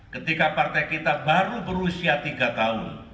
ketika partai kita baru berusia tiga tahun